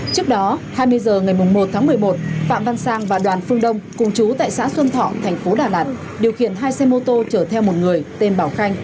trước đó hai mươi h ngày một tháng một mươi một phạm văn sang và đoàn phương đông cùng chú tại xã xuân thọ thành phố đà lạt điều khiển hai xe mô tô chở theo một người tên bảo khanh